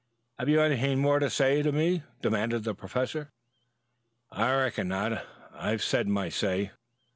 Have you anything more to say to me?" demanded the Professor. "I reckon not. I've said my say."